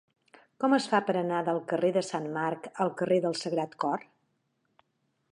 Com es fa per anar del carrer de Sant Marc al carrer del Sagrat Cor?